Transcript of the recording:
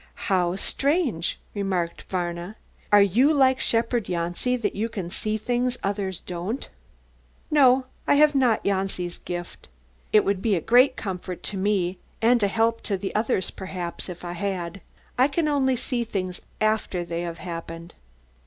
"How strange!" remarked Varna. "Are you like shepherd Janci that you can see the things others don't see?" "No, I have not Janci's gift. It would be a great comfort to me and a help to the others perhaps if I had. I can only see things after they have happened."